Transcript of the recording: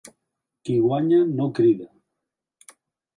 Qui guanya no crida.